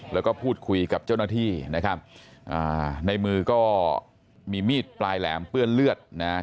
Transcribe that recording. แล้วก็พูดคุยกับเจ้าหน้าที่นะครับอ่าในมือก็มีมีดปลายแหลมเปื้อนเลือดนะ